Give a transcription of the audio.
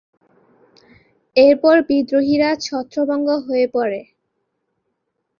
এরপর বিদ্রোহীরা ছত্রভঙ্গ হয়ে পড়ে।